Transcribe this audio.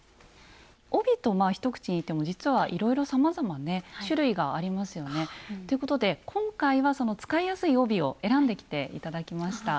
帯とまあ一口に言っても実はいろいろさまざまね種類がありますよねということで今回は使いやすい帯を選んできて頂きました。